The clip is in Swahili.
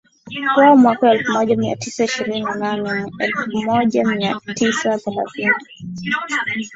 wao mwaka elfu moja mia tisa ishirini na nane Mwelfu moja mia tisa thelathini